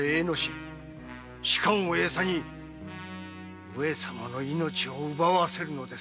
仕官をエサに上様の命を奪わせるのです。